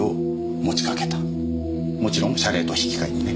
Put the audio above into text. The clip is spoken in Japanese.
もちろん謝礼と引き換えにね。